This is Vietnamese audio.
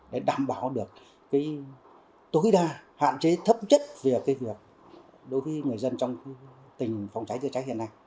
để đảm bảo được tối đa hạn chế thấp chất về việc đối với người dân trong tình phòng cháy chữa cháy hiện nay